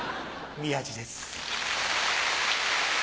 宮治です。